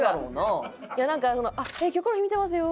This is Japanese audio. いやなんか「『キョコロヒー』見てますよ！